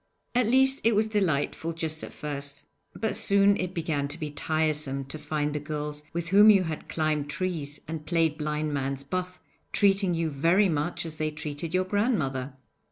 At least it was delightful just at first, but soon it began to be tiresome to find the girls with whom you had climbed trees and played blind man's buff treating you very much as they treated your grandmother.